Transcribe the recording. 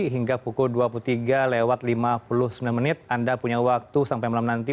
hingga pukul dua puluh tiga lewat lima puluh sembilan menit anda punya waktu sampai malam nanti